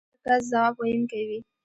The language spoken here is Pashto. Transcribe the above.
او هر کس ځواب ویونکی وي.